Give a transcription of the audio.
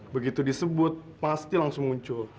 begitu disebut pasti langsung muncul